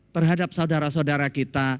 terhadap saudara saudara kita